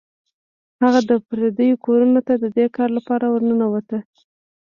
هغه د پردیو کورونو ته د دې کار لپاره ورنوت.